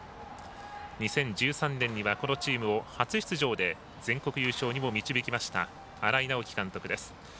２０１３年にはこのチームを初出場で全国優勝にも導きました荒井直樹監督です。